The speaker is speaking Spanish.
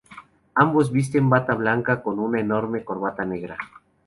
Ambos visten bata blanca con una enorme corbata negra.